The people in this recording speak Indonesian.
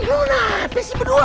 lu ngapis si berdua